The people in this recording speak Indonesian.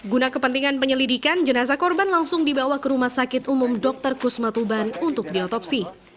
guna kepentingan penyelidikan jenazah korban langsung dibawa ke rumah sakit umum dr kusma tuban untuk diotopsi